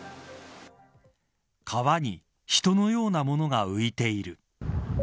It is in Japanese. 川に人のようなものが浮いている。